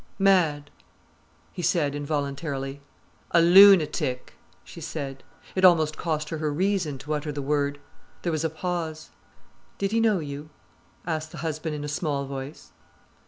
"Mad!' he said involuntarily. "A lunatic," she said. It almost cost her her reason to utter the word. There was a pause. "Did he know you?" asked the husband in a small voice.